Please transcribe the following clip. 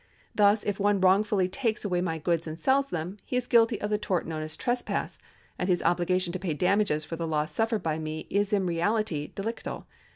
Thus if one wrong fully takes away my goods and sells them, he is guilty of the tort known as trespass, and his obligation to pay damages for the loss suffered by me is in reality delictal.